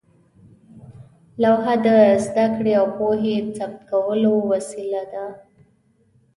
لوحه د زده کړې او پوهې ثبت کولو وسیله وه.